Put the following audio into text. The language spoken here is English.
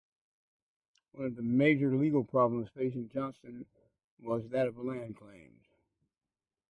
One of the major legal problems facing Johnston was that of land claims.